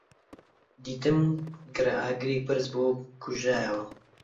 دیتم گڕەئاگرێک بەرز بۆوە و کوژایەوە